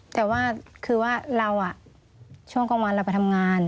แต่ว่าคือว่าเราช่วงกลางวันเราไปทำงาน